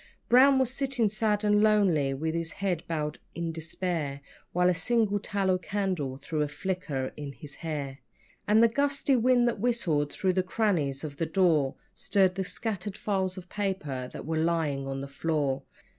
Brown was sitting sad and lonely with his head bowed in despair, While a single tallow candle threw a flicker on his hair, And the gusty wind that whistled through the crannies of the door Stirred the scattered files of paper that were lying on the floor.